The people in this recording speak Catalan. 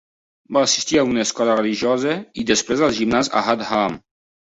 Va assistir a una escola religiosa i després al gimnàs Ahad Haam.